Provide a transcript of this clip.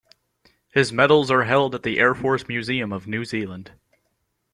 His medals are held at the Air Force Museum of New Zealand.